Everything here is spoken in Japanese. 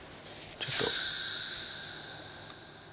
ちょっと。